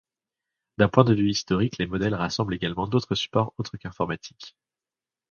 D'un point de vue historique, les modèles rassemblent également d'autres supports autres qu'informatiques.